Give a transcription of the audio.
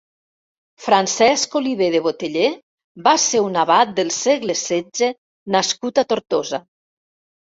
Francesc Oliver de Boteller va ser un abat del segle setze nascut a Tortosa.